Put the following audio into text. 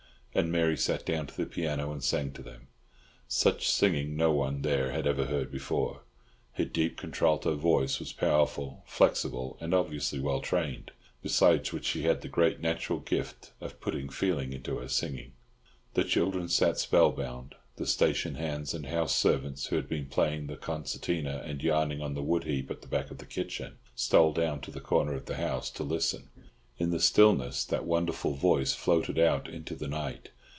and Mary sat down to the piano and sang to them. Such singing no one there had ever heard before. Her deep contralto voice was powerful, flexible, and obviously well trained; besides which she had the great natural gift of putting "feeling" into her singing. The children sat spellbound. The station hands and house servants, who had been playing the concertina and yarning on the wood heap at the back of the kitchen, stole down to the corner of the house to listen; in the stillness that wonderful voice floated out into the night.